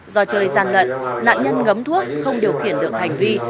do chơi gian lận nạn nhân ngấm thuốc không điều khiển được hành vi